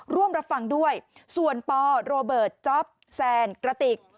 ร่วมรับฟังด้วยส่วนปโรเบิร์ตจ๊อปแซนกระติก